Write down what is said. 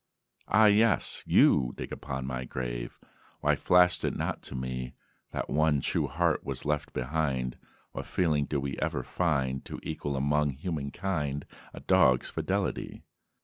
"Ah yes! You dig upon my grave... Why flashed it not to me That one true heart was left behind! What feeling do we ever find To equal among human kind A dog's fidelity!"